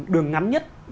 đường ngắn nhất